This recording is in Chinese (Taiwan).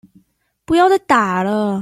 不要再打了